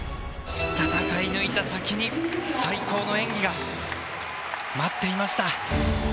戦い抜いた先に最高の演技が待っていました。